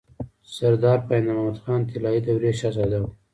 سردار پاينده محمد خان طلايي دورې شهزاده وو